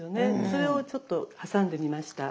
それをちょっと挟んでみました。